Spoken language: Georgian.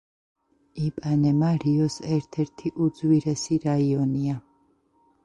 იპანემა რიოს ერთ-ერთი უძვირესი რაიონია.